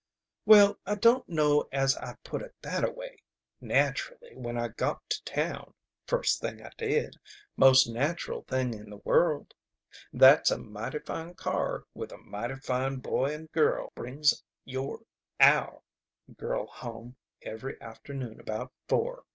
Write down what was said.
"Well, I don't know as I'd put it thataway. Naturally, when I got to town first thing I did most natural thing in the world. That's a mighty fine car with a mighty fine looking boy and a girl brings your our girl home every afternoon about four.